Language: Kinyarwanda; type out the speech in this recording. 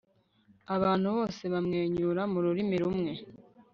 abantu bose bamwenyura mu rurimi rumwe